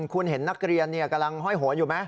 คุณเห็นนักเรียนกำลังห้อยหัวอยู่ไหม